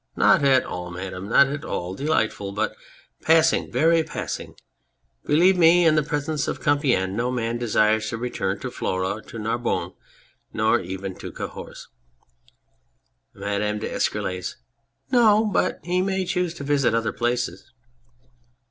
Not at all, Madame ! Not at all ! Delightful !... but passing, very passing ! Believe me, in the presence of Compiegne, no man desires to return to Florae or to Narbonne, nor even to Cahors. MADAME D'ESCUROLLES. No ... but he may choose to visit other places.